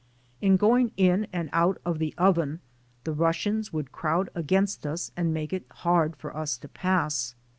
In going in and out of the oven the Russians would crowd against us and make it hard for us to pass.